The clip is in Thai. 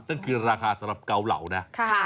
นั่นคือราคาสำหรับเกาเหลานะ